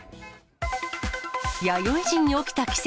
弥生人に起きた奇跡。